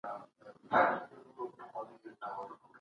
ښاري ټولنپوهنه د ښارونو ژوند ته پاملرنه کوي.